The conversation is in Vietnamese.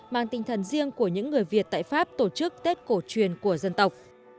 mang tinh thần riêng của những người việt tại pháp tổ chức tết cổ truyền của dân tộc